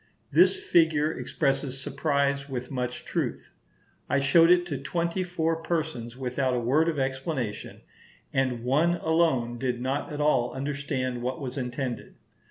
This figure expresses surprise with much truth. I showed it to twenty four persons without a word of explanation, and one alone did not at all understand what was intended.